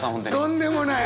とんでもない！